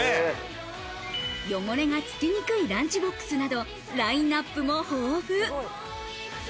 汚れがつきにくいランチボックスなどラインナップも豊富。